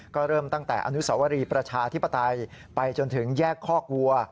ก็เริ่มตั้งแต่อนุสวรีประชาธิปไตยไปจนถึงแยกคอกวัว